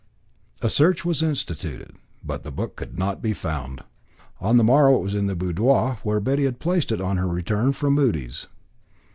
A search was instituted, but the book could not be found. On the morrow it was in the boudoir, where Betty had placed it on her return from Mudie's.